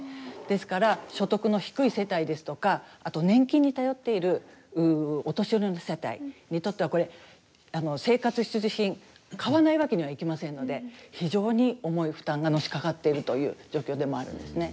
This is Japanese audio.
ですから所得の低い世帯ですとかあと年金に頼っているお年寄りの世帯にとってはこれ生活必需品買わないわけにはいきませんので非常に重い負担がのしかかっているという状況でもあるんですね。